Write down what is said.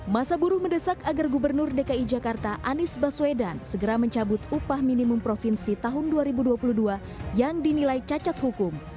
masa buruh mendesak agar gubernur dki jakarta anies baswedan segera mencabut upah minimum provinsi tahun dua ribu dua puluh dua yang dinilai cacat hukum